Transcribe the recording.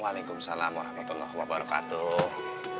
waalaikumsalam warahmatullahi wabarakatuh